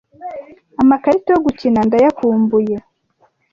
amakarita yo gukina ndayakumbuye